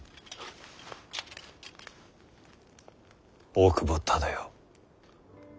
大久保忠世。